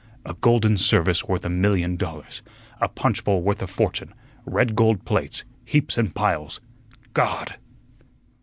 "A golden service worth a million dollars; a punchbowl worth a fortune; red gold plates, heaps and piles. God!"